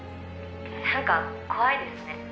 「何か怖いですね」